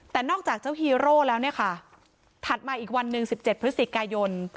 แต่นอกจากเจ้าฮีโร่แล้วเนี่ยค่ะถัดมาอีกวันหนึ่ง๑๗พฤศจิกายน